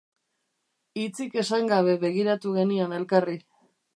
Hitzik esan gabe begiratu genion elkarri.